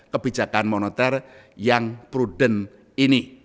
kebijakan moneter yang prudent ini